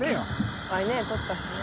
いっぱいね撮ったしね。